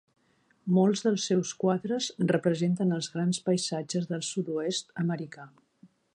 Moltes dels seus quadres representen els grans paisatges del sud-oest americà.